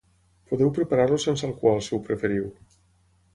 Podeu preparar-lo sense alcohol, si ho preferiu.